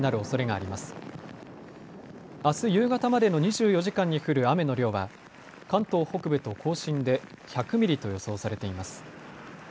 あす夕方までの２４時間に降る雨の量は関東北部と甲信で１００ミリと予想されています。